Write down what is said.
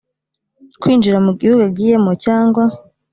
kwinjira mu gihugu agiyemo cyangwa